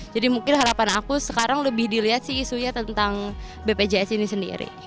jadi mungkin harapan aku sekarang lebih dilihat sih isunya tentang bpjs ini sendiri